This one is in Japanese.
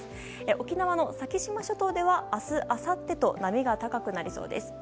沖縄の先島諸島では明日あさってと波が高くなりそうです。